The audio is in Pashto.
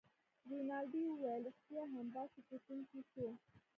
رینالډي وویل: ريښتیا هم، باسي ګټونکی شو.